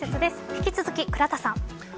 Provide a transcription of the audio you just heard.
引き続き、倉田さん。